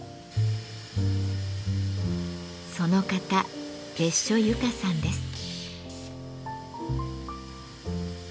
その方別所由加さんです。